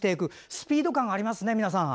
スピード感がありますね。